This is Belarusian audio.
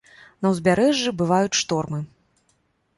На ўзбярэжжы бываюць штормы.